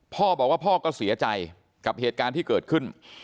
พ่อบอกว่าพ่อก็เสียใจกับเหตุการณ์ที่เกิดขึ้น